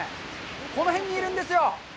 この辺にいるんですよ。